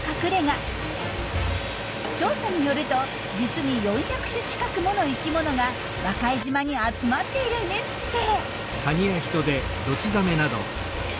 調査によると実に４００種近くもの生きものが和賀江島に集まっているんですって。